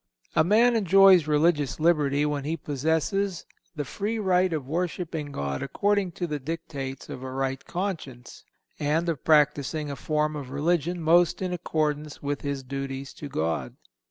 A man enjoys religious liberty when he possesses the free right of worshiping God according to the dictates of a right conscience, and of practicing a form of religion most in accordance with his duties to God.